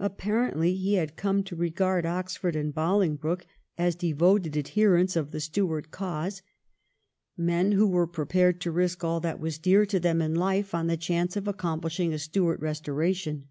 Apparently he had come to regard Oxford and Bolingbroke as 1713 14 WHIG ALARMS. 267 devoted adherents of the Stuart cause, men who were prepared to risk all that was dear to them in life on the chance of accomplishing a Stuart restoration.